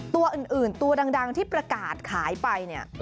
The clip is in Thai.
ตัวอื่นตัวดังที่ประกาศขายไปเนี่ย